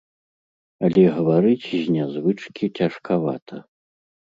Але гаварыць з нязвычкі цяжкавата.